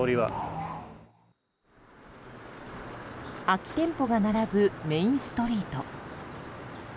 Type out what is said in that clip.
空き店舗が並ぶメインストリート。